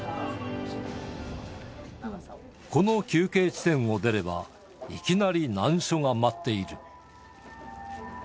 この休憩地点を出れば、いきなり難所が待っている。